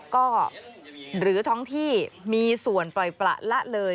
ก็หรือท้องที่มีส่วนปล่อยประละเลย